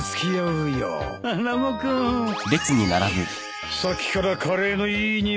さっきからカレーのいい匂いがしてるね。